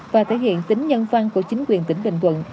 và thể hiện tính nhân văn của chính quyền tỉnh bình thuận